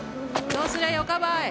「どうすりゃよかばい！？